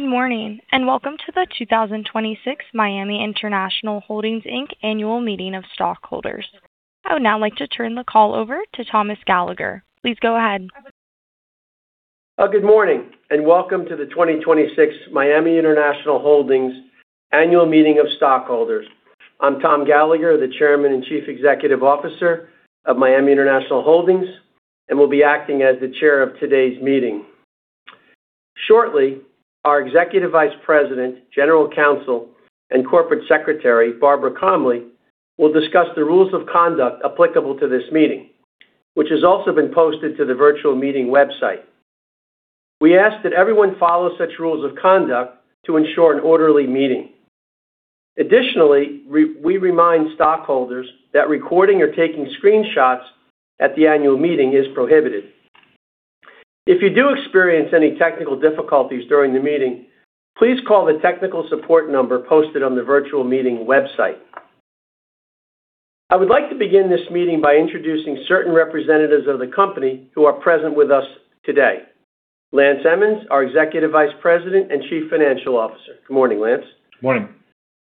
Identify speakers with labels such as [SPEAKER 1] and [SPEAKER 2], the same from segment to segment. [SPEAKER 1] Good morning, welcome to the 2026 Miami International Holdings, Inc. Annual Meeting of Stockholders. I would now like to turn the call over to Thomas Gallagher. Please go ahead.
[SPEAKER 2] Good morning, welcome to the 2026 Miami International Holdings Annual Meeting of Stockholders. I'm Tom Gallagher, the Chairman and Chief Executive Officer of Miami International Holdings, and will be acting as the chair of today's meeting. Shortly, our Executive Vice President, General Counsel, and Corporate Secretary, Barbara Comly, will discuss the rules of conduct applicable to this meeting, which has also been posted to the virtual meeting website. We ask that everyone follow such rules of conduct to ensure an orderly meeting. Additionally, we remind stockholders that recording or taking screenshots at the annual meeting is prohibited. If you do experience any technical difficulties during the meeting, please call the technical support number posted on the virtual meeting website. I would like to begin this meeting by introducing certain representatives of the company who are present with us today. Lance Emmons, our Executive Vice President and Chief Financial Officer. Good morning, Lance.
[SPEAKER 3] Morning.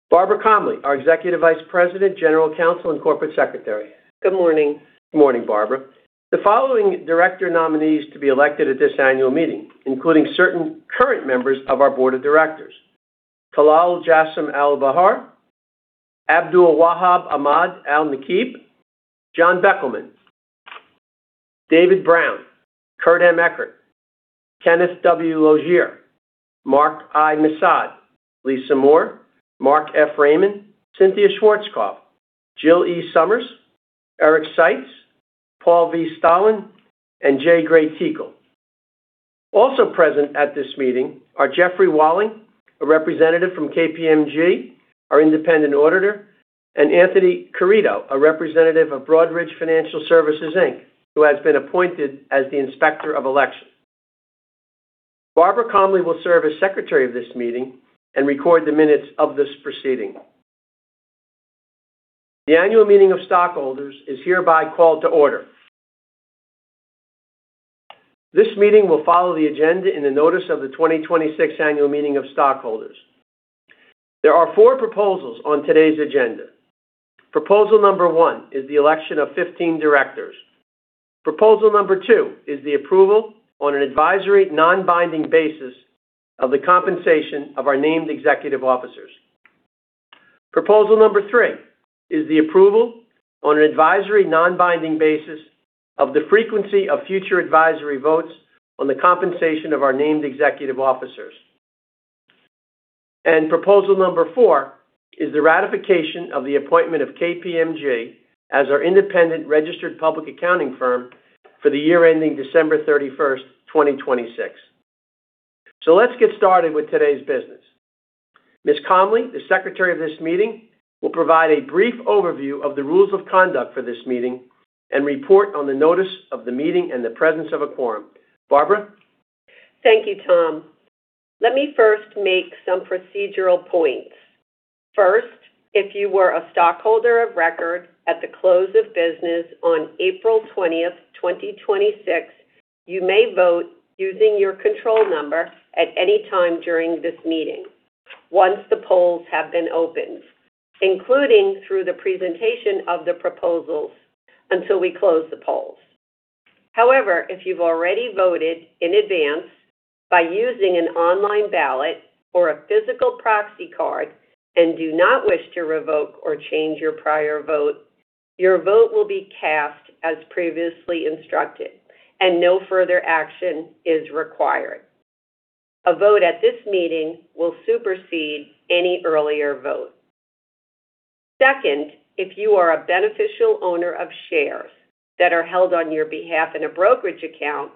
[SPEAKER 2] Barbara Comly, our Executive Vice President, General Counsel, and Corporate Secretary.
[SPEAKER 4] Good morning.
[SPEAKER 2] Good morning, Barbara. The following director nominees to be elected at this annual meeting, including certain current members of our board of directors. Talal Jassim Al-Bahar, Abdulwahab Ahmad Al-Nakib, John Beckelman, David Brown, Kurt M. Eckert, Kenneth W. Lozier, Mark I. Massad, Lisa Moore, Mark F. Raymond, Cynthia Schwarzkopf, Jill E. Sommers, Eric Sites, Paul V. Stahlin, and J. Gray Teekell. Also present at this meeting are Jeffrey Walling, a representative from KPMG, our independent auditor, and Anthony Carideo, a representative of Broadridge Financial Solutions, Inc., who has been appointed as the Inspector of Election. Barbara Comly will serve as Secretary of this meeting and record the minutes of this proceeding. The Annual Meeting of Stockholders is hereby called to order. This meeting will follow the agenda in the notice of the 2026 Annual Meeting of Stockholders. There are four proposals on today's agenda. Proposal number 1 is the election of 15 directors. Proposal number 2 is the approval on an advisory, non-binding basis of the compensation of our named executive officers. Proposal number 3 is the approval on an advisory, non-binding basis of the frequency of future advisory votes on the compensation of our named executive officers. Proposal number 4 is the ratification of the appointment of KPMG as our independent registered public accounting firm for the year ending December 31st, 2026. Let's get started with today's business. Ms. Comly, the secretary of this meeting, will provide a brief overview of the rules of conduct for this meeting and report on the notice of the meeting and the presence of a quorum. Barbara?
[SPEAKER 4] Thank you, Tom. Let me first make some procedural points. First, if you were a stockholder of record at the close of business on April 20th, 2026, you may vote using your control number at any time during this meeting, once the polls have been opened, including through the presentation of the proposals until we close the polls. However, if you've already voted in advance by using an online ballot or a physical proxy card and do not wish to revoke or change your prior vote, your vote will be cast as previously instructed and no further action is required. A vote at this meeting will supersede any earlier vote. Second, if you are a beneficial owner of shares that are held on your behalf in a brokerage account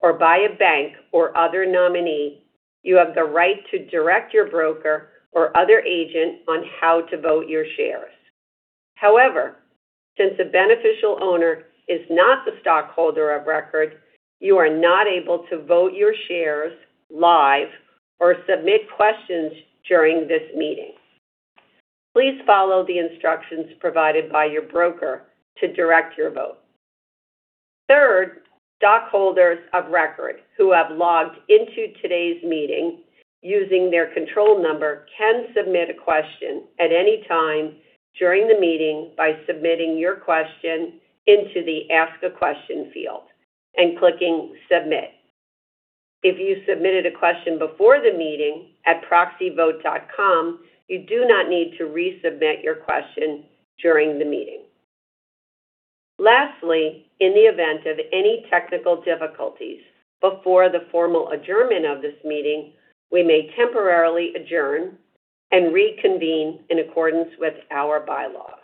[SPEAKER 4] or by a bank or other nominee, you have the right to direct your broker or other agent on how to vote your shares. However, since a beneficial owner is not the stockholder of record, you are not able to vote your shares live or submit questions during this meeting. Please follow the instructions provided by your broker to direct your vote. Third, stockholders of record who have logged into today's meeting using their control number can submit a question at any time during the meeting by submitting your question into the Ask a Question field and clicking Submit. If you submitted a question before the meeting at proxyvote.com, you do not need to resubmit your question during the meeting. Lastly, in the event of any technical difficulties before the formal adjournment of this meeting, we may temporarily adjourn and reconvene in accordance with our bylaws.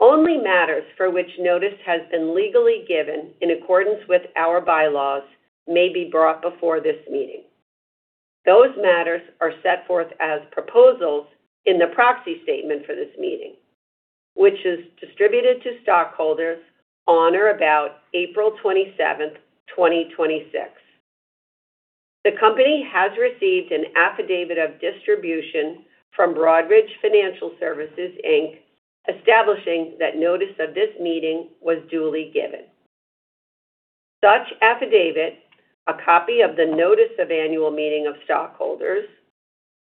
[SPEAKER 4] Only matters for which notice has been legally given in accordance with our bylaws may be brought before this meeting. Those matters are set forth as proposals in the proxy statement for this meeting, which is distributed to stockholders on or about April 27th, 2026. The company has received an affidavit of distribution from Broadridge Financial Solutions, Inc., establishing that notice of this meeting was duly given. Such affidavit, a copy of the notice of annual meeting of stockholders,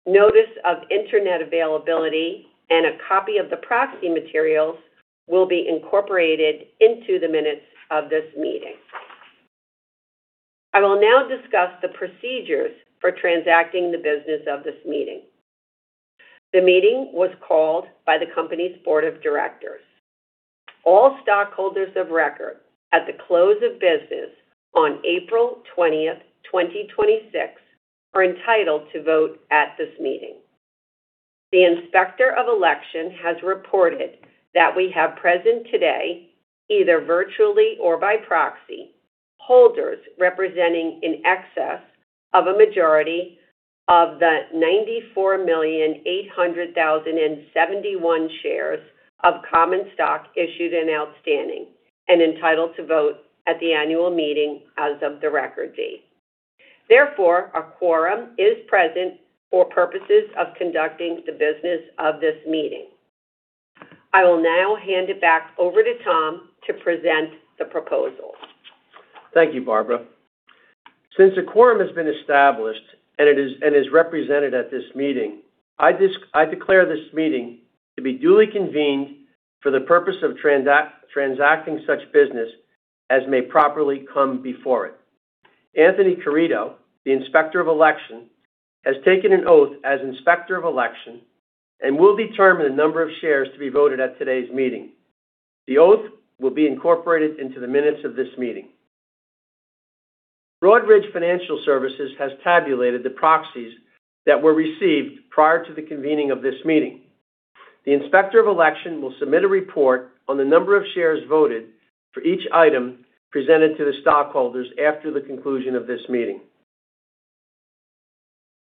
[SPEAKER 4] notice of Internet availability, and a copy of the proxy materials will be incorporated into the minutes of this meeting. I will now discuss the procedures for transacting the business of this meeting. The meeting was called by the company's board of directors. All stockholders of record at the close of business on April 20th, 2026, are entitled to vote at this meeting. The Inspector of Election has reported that we have present today, either virtually or by proxy, holders representing in excess of a majority of the 94,800,071 shares of common stock issued and outstanding and entitled to vote at the annual meeting as of the record date. Therefore, a quorum is present for purposes of conducting the business of this meeting. I will now hand it back over to Tom to present the proposal.
[SPEAKER 2] Thank you, Barbara. Since a quorum has been established and is represented at this meeting, I declare this meeting to be duly convened for the purpose of transacting such business as may properly come before it. Tony Carideo, the Inspector of Election, has taken an oath as Inspector of Election and will determine the number of shares to be voted at today's meeting. The oath will be incorporated into the minutes of this meeting. Broadridge Financial Solutions has tabulated the proxies that were received prior to the convening of this meeting. The Inspector of Election will submit a report on the number of shares voted for each item presented to the stockholders after the conclusion of this meeting.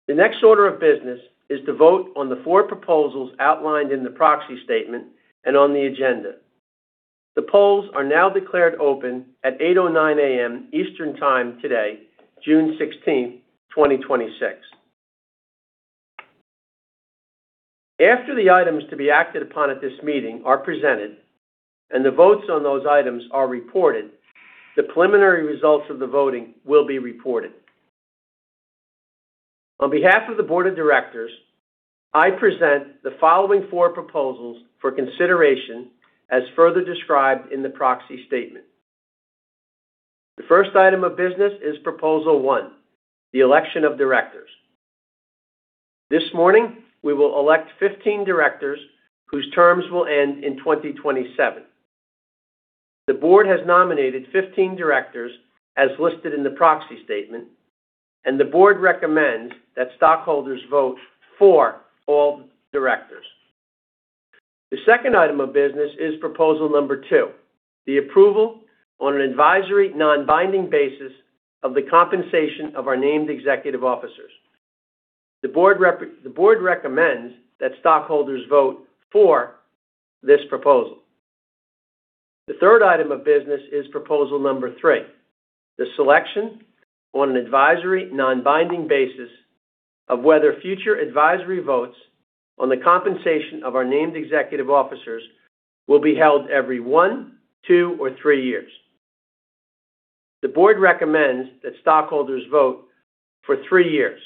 [SPEAKER 2] The next order of business is to vote on the four proposals outlined in the proxy statement and on the agenda. The polls are now declared open at 8:09 A.M. Eastern Time today, June 16th, 2026. After the items to be acted upon at this meeting are presented and the votes on those items are reported, the preliminary results of the voting will be reported. On behalf of the board of directors, I present the following four proposals for consideration as further described in the proxy statement. The first item of business is proposal one, the election of directors. This morning, we will elect 15 directors whose terms will end in 2027. The board has nominated 15 directors as listed in the proxy statement, and the board recommends that stockholders vote for all directors. The second item of business is proposal number 2, the approval on an advisory, non-binding basis of the compensation of our named executive officers. The board recommends that stockholders vote for this proposal. The third item of business is proposal number 3, the selection on an advisory, non-binding basis of whether future advisory votes on the compensation of our named executive officers will be held every one, two, or three years. The board recommends that stockholders vote for three years.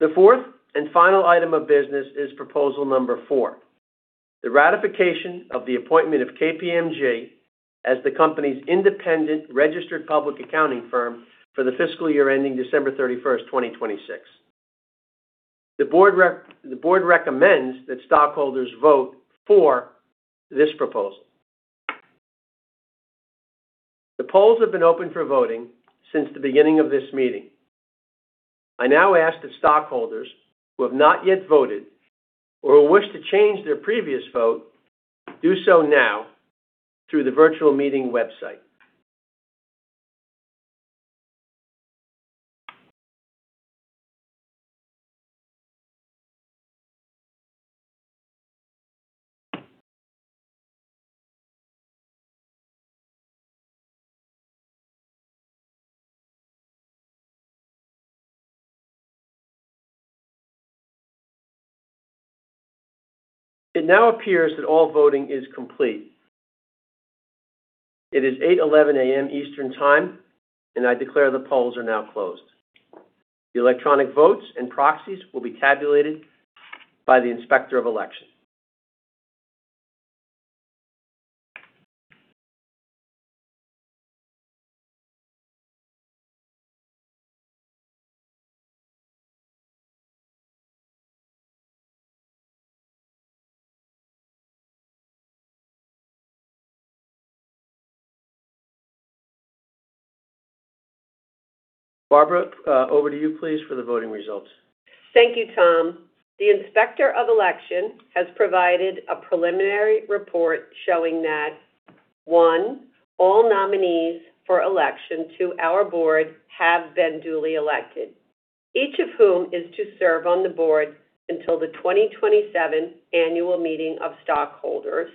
[SPEAKER 2] The fourth and final item of business is proposal number 4, the ratification of the appointment of KPMG as the company's independent registered public accounting firm for the fiscal year ending December 31st, 2026. The board recommends that stockholders vote for this proposal. The polls have been open for voting since the beginning of this meeting. I now ask that stockholders who have not yet voted or who wish to change their previous vote do so now through the virtual meeting website. It now appears that all voting is complete. It is 8:11 A.M. Eastern Time. I declare the polls are now closed. The electronic votes and proxies will be tabulated by the Inspector of Election. Barbara, over to you, please, for the voting results.
[SPEAKER 4] Thank you, Thomas Gallagher. The Inspector of Election has provided a preliminary report showing that, one, all nominees for election to our board have been duly elected, each of whom is to serve on the board until the 2027 annual meeting of stockholders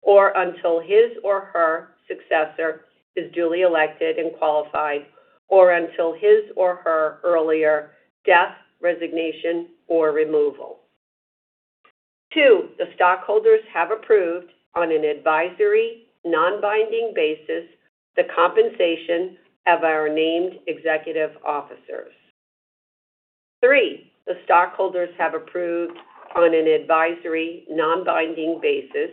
[SPEAKER 4] or until his or her successor is duly elected and qualified or until his or her earlier death, resignation, or removal. Two, the stockholders have approved on an advisory, non-binding basis the compensation of our named executive officers. Three, the stockholders have approved on an advisory, non-binding basis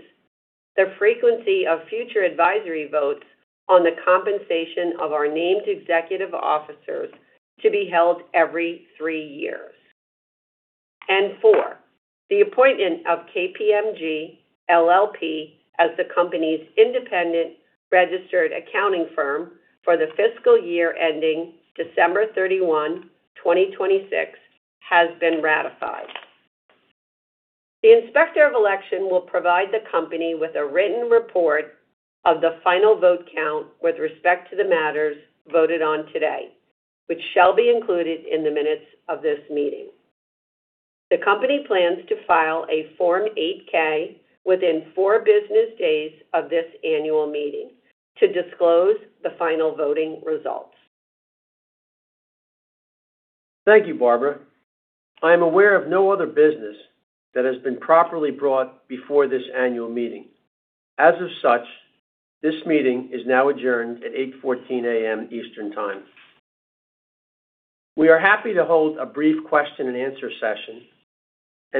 [SPEAKER 4] the frequency of future advisory votes on the compensation of our named executive officers to be held every three years. Four, the appointment of KPMG LLP as the company's independent registered accounting firm for the fiscal year ending December 31, 2026 has been ratified. The Inspector of Election will provide the company with a written report of the final vote count with respect to the matters voted on today, which shall be included in the minutes of this meeting. The company plans to file a Form 8-K within four business days of this annual meeting to disclose the final voting results.
[SPEAKER 2] Thank you, Barbara. I am aware of no other business that has been properly brought before this annual meeting. As of such, this meeting is now adjourned at 8:14 A.M. Eastern Time. We are happy to hold a brief question and answer session.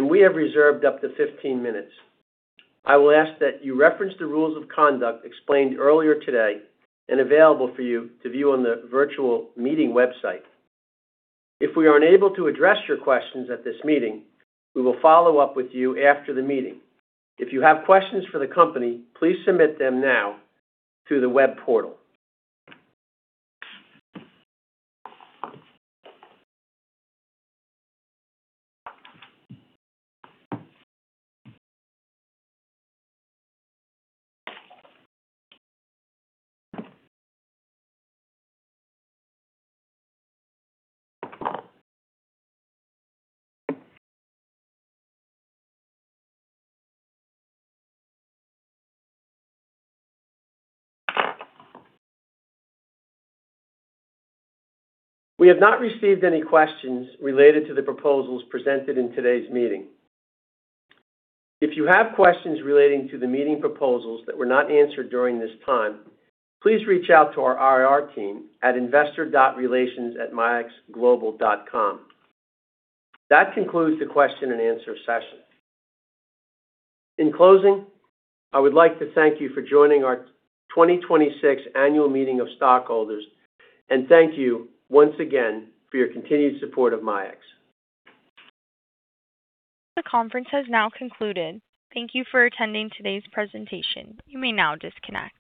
[SPEAKER 2] We have reserved up to 15 minutes. I will ask that you reference the rules of conduct explained earlier today and available for you to view on the virtual meeting website. If we are unable to address your questions at this meeting, we will follow up with you after the meeting. If you have questions for the company, please submit them now through the web portal. We have not received any questions related to the proposals presented in today's meeting. If you have questions relating to the meeting proposals that were not answered during this time, please reach out to our IR team at investor.relations@miaxglobal.com. That concludes the question and answer session. In closing, I would like to thank you for joining our 2026 Annual Meeting of Stockholders and thank you once again for your continued support of MIAX.
[SPEAKER 1] The conference has now concluded. Thank you for attending today's presentation. You may now disconnect.